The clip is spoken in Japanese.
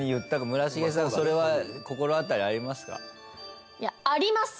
村重さんそれは心当たりありますか？